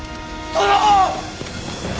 殿！